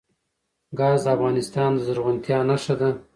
ګاز د افغانستان د زرغونتیا نښه ده.